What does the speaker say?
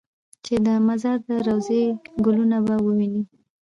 چې د مزار د روضې ګلونه به ووینې.